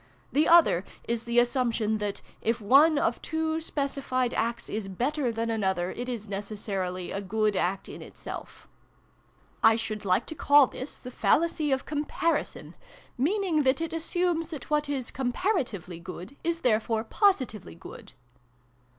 The other is the assumption that, if one of two specified acts is better than another, it is necessarily a good act in itself. I should like to call this the 44 SYLVIE AND BRUNO CONCLUDED. fallacy of comparison meaning that it as sumes that what is comparatively good is therefore positively good."